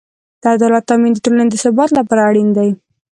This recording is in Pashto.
د عدالت تأمین د ټولنې د ثبات لپاره اړین دی.